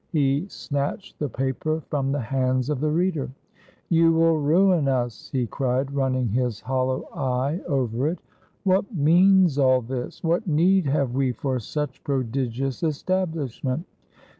He snatched the paper from the hands of the reader. "You will ruin us!" he cried, running his hollow eye over it. " What means all this? What need have we for such prodigious establishment?